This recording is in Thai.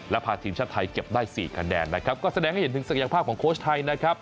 และพาทีมชาติไทยเก็บได้๔คะแนนนะครับก็แสดงให้เห็นถึงศักยภาพของโค้ชไทยนะครับ